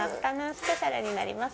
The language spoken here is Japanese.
スペシャルになります。